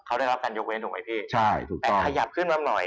เขาได้รับการยกเว้นถูกไหมพี่ใช่ถูกแต่ขยับขึ้นมาหน่อย